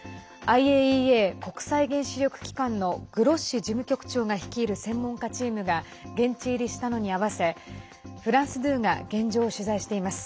ＩＡＥＡ＝国際原子力機関のグロッシ事務局長が率いる専門家チームが現地入りしたのにあわせフランス２が現状を取材しています。